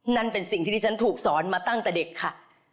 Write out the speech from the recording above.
นั่นเป็นสิ่งที่ที่ฉันถูกสอนมาตั้งแต่เด็กค่ะ